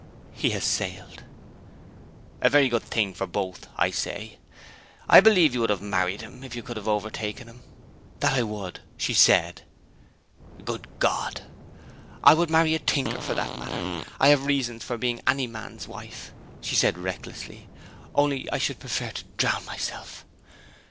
'He has sailed.' 'A very good thing for both, I say. I believe you would have married him, if you could have overtaken him.' 'That would I!' she said. 'Good God!' 'I would marry a tinker for that matter; I have reasons for being any man's wife,' she said recklessly, 'only I should prefer to drown myself.'